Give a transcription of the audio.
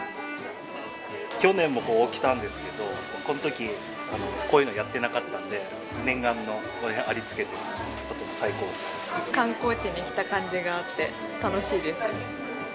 去年もここ来たんですけど、そのとき、こういうのはやってなかったんで、念願の、観光地に来た感じがあって、楽しいです。